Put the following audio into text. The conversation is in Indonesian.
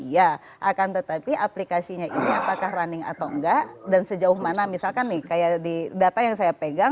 iya akan tetapi aplikasinya ini apakah running atau enggak dan sejauh mana misalkan nih kayak di data yang saya pegang